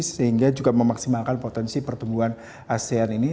sehingga juga memaksimalkan potensi pertumbuhan asean ini